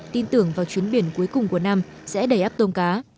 tin tưởng vào chuyến biển cuối cùng của năm sẽ đầy áp tôm cá